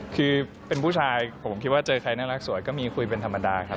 คือเป็นผู้ชายผมคิดว่าเจอใครน่ารักสวยก็มีคุยเป็นธรรมดาครับ